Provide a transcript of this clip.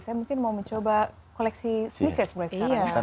saya mungkin mau mencoba koleksi sneakers mulai sekarang